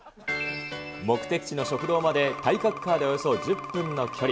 目的地の食堂まで体格カーでおよそ１０分の距離。